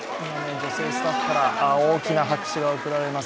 女性スタッフから大きな拍手が送られます。